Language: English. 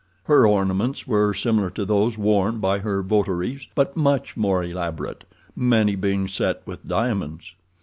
Her ornaments were similar to those worn by her votaries, but much more elaborate, many being set with diamonds.